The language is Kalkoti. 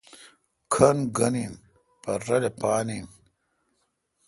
کھن گھن این پرہ رلہ پان این